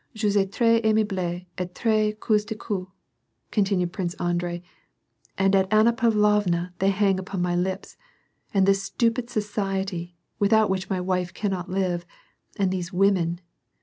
Je 8uis tres aimable et tres caustiqtiey" continued Prince Andrei, "and at Anna Pavlovna's they hang upon my lips. And this stupid society, without which my wife cannot live, and these women.